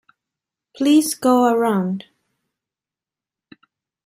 Please go around.